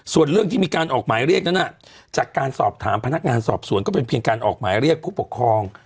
ส่วนเรื่องที่มีการออกหมายเรียกนั้นจากการสอบถามพนักงานสอบสวนก็เป็นเพียงการออกหมายเรียกผู้ปกครอง